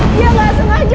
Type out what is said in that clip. dia gak sengaja